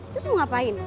terus mau ngapain